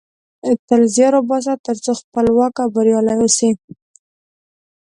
تل زیار وباسه ترڅو خپلواک او بریالۍ اوسی